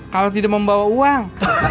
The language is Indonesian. kalau tidak membawa uang